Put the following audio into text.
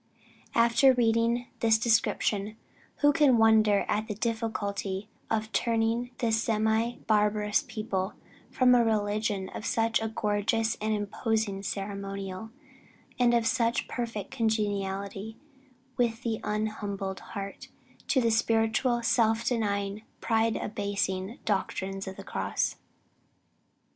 After reading this description, who can wonder at the difficulty of turning this semi barbarous people from a religion of such a gorgeous and imposing ceremonial, and of such perfect congeniality with the unhumbled heart, to the spiritual, self denying, pride abasing doctrines of the cross?